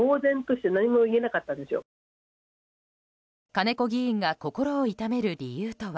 金子議員が心を痛める理由とは。